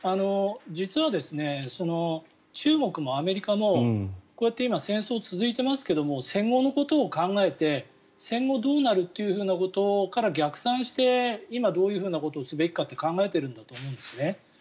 実は、中国もアメリカもこうやって今、戦争が続いていますが戦後のことを考えて戦後どうなるということから逆算して今、どういうことをすべきかって考えているんだと思うんですね。